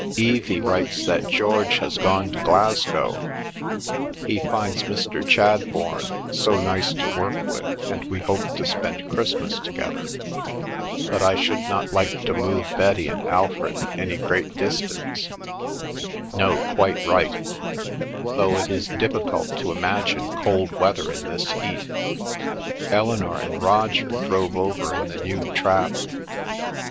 "Evie writes that George has gone to Glasgow. 'He finds Mr. Chadbourne so nice to work with, and we hope to spend Christmas together, but I should not like to move Betty and Alfred any great distance (no, quite right), though it is difficult to imagine cold weather in this heat. ... Eleanor and Roger drove over in the new trap.